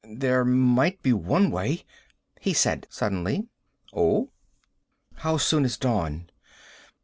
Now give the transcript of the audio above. "There might be one way," he said suddenly. "Oh?" "How soon is dawn?"